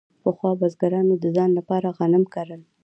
پخوا بزګرانو د ځان لپاره غنم کرل.